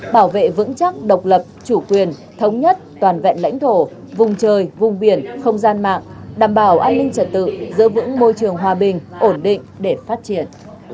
bảo vệ vững chắc độc lập chủ quyền thống nhất toàn vẹn lãnh thổ vùng trời vùng biển không gian mạng đảm bảo an ninh trật tự giữ vững môi trường hòa bình ổn định để phát triển